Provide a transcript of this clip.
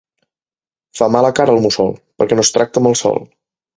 Fa mala cara el mussol, perquè no es tracta amb el sol.